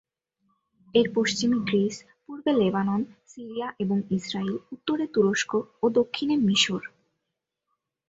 এর পশ্চিমে গ্রিস, পূর্বে লেবানন, সিরিয়া এবং ইসরাইল, উত্তরে তুরস্ক ও দক্ষিণে মিসর।